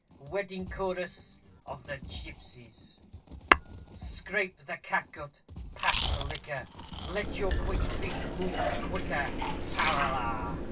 WEDDING CHORUS OF GIPSIES Scrape the catgut! pass the liquor! Let your quick feet move the quicker. Ta ra la!